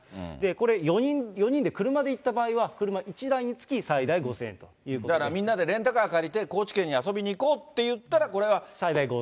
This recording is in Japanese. これ、４人で車で行った場合は、車１台分につき最大５０００円とだから、みんなでレンタカー借りて、高知県に遊びに行こうっていったら、最大５０００円。